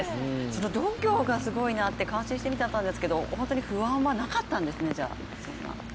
どの度胸がすごいなって感心して見てたんですけど本当に不安はなかったんですね。